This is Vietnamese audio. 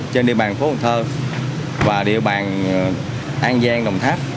trên địa bàn phố cần thơ và địa bàn an giang đồng tháp